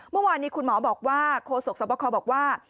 เมื่อวานนี้คุณหมอบอกว่าโคศกสวบคอบอกว่า